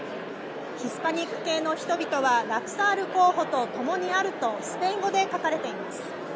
ヒスパニック系の人々はラクサール候補とともにあるとスペイン語で書かれています。